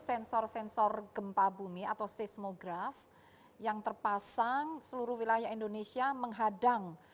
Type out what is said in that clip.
sensor sensor gempa bumi atau seismograf yang terpasang seluruh wilayah indonesia menghadang